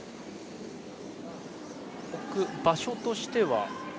置く場所としては？